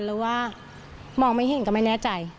หรือว่ามองไม่เห็นก็ไม่แน่ใจ